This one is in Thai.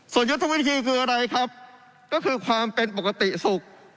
ส่วนยุทธวิธีคืออะไรครับก็คือความเป็นปกติสุข